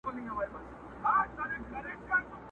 ایږ او پړانګ به وي پراته سر پر څپړو،